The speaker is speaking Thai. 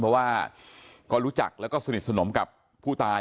เพราะว่าก็รู้จักแล้วก็สนิทสนมกับผู้ตาย